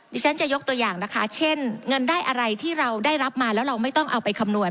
ดิฉันจะยกตัวอย่างนะคะเช่นเงินได้อะไรที่เราได้รับมาแล้วเราไม่ต้องเอาไปคำนวณ